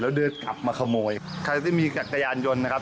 แล้วเดินกลับมาขโมยใครที่มีจักรยานยนต์นะครับ